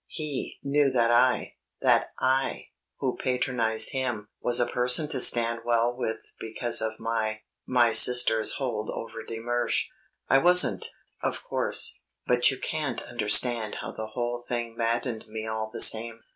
He knew that I that I, who patronised him, was a person to stand well with because of my my sister's hold over de Mersch. I wasn't, of course, but you can't understand how the whole thing maddened me all the same.